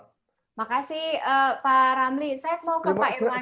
terima kasih pak ramli saya mau ke pak irwan